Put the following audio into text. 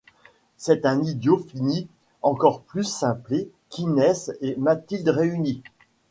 C'est un idiot fini, encore plus simplet qu'Inès et Mathilde réunies.